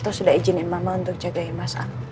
terus udah izinin mama untuk jagain mas al